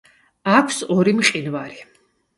აქვს ორი მყინვარი.